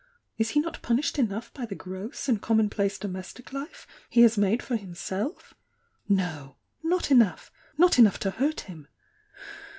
Is he not punished enough by the gross and commonplace domestic life he has made for him self ! No! — not enough! — not enough to hurt him!"